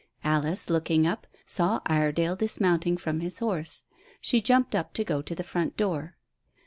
Alice, looking up, saw Iredale dismounting from his horse. She jumped up to go to the front door.